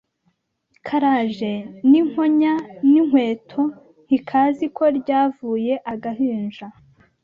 Karaje n'inkonya n'inkweto ntikazi ko ryavuye Agahinja